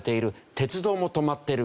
鉄道も止まっている。